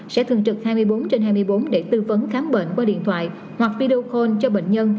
sẽ thường trực hai mươi bốn trên hai mươi bốn để tư vấn khám bệnh qua điện thoại hoặc video call cho bệnh nhân